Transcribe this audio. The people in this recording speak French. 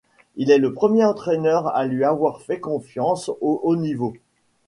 Il est le premier entraîneur à lui avoir fait confiance au haut niveau.